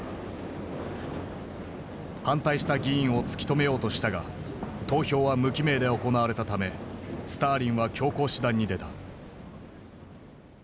反対した議員を突き止めようとしたが投票は無記名で行われたためスターリンは強硬手段に出た。